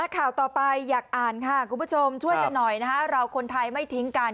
ข่าวต่อไปอยากอ่านช่วยกันหน่อยคนไทยไม่ทิ้งกัน